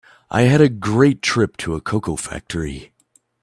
I had a great trip to a cocoa factory.